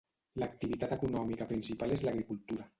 L'activitat econòmica principal és l"agricultura.